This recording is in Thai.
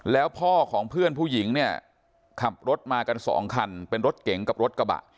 แล้วพ่อของเพื่อนผู้หญิงเนี่ยขับรถมากันสองคันเป็นรถเก๋งกับรถกระบะ